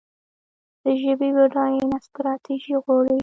د ژبې بډاینه ستراتیژي غواړي.